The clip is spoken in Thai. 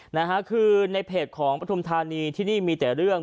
นะฮะคือในเพจของปฐุมธานีที่นี่มีแต่เรื่อง